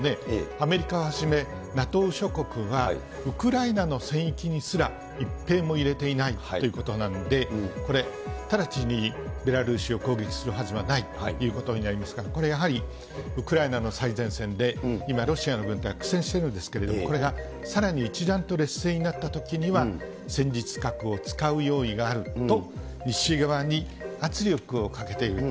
アメリカをはじめ、ＮＡＴＯ諸国はウクライナの戦域にすら、一兵も入れていないということで、これ、直ちにベラルーシを攻撃するはずはないということになりますから、これはやはり、ウクライナの最前線で今、ロシアの軍隊、苦戦してるんですけれども、これがさらに一段と劣勢になったときには、戦術核を使う用意があると、西側に圧力をかけていると。